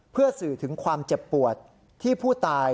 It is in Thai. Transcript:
เพื่อสื่อถึงความเจ็บปวดที่ผู้ตาย